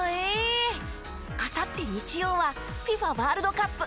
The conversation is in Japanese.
あさって日曜はＦＩＦＡワールドカップ